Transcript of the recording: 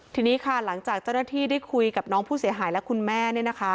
ทีนี้ค่ะหลังจากเจ้าหน้าที่ได้คุยกับน้องผู้เสียหายและคุณแม่เนี่ยนะคะ